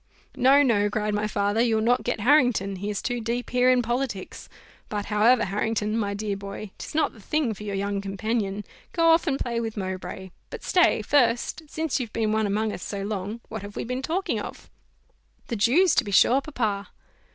"No, no," cried my father, "you'll not get Harrington, he is too deep here in politics but however, Harrington, my dear boy, 'tis not the thing for your young companion go off and play with Mowbray: but stay, first, since you've been one among us so long, what have we been talking of?" "The Jews, to be sure, papa."